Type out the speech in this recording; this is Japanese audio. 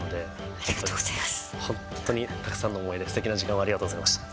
本当に、本当にたくさんの思い出、すてきな時間をありがとうございました。